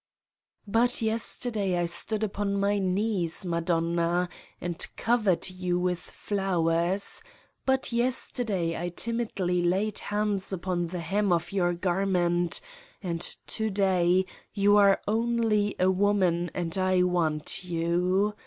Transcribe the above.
But yesterday I stood upon my knees, Madonna, and covered you with flowers : but yesterday I timidly laid hands upon the hem of your garment, and to day you are only a woman and I want you.